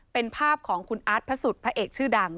เป็นภาพของคุณอาร์ตพระสุทธิพระเอกชื่อดัง